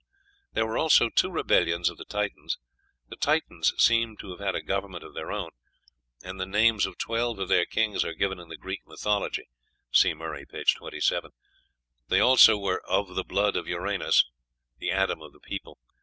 There were also two rebellions of the Titans. The Titans seem to have had a government of their own, and the names of twelve of their kings are given in the Greek mythology (see Murray, p. 27). They also were of "the blood of Uranos," the Adam of the people.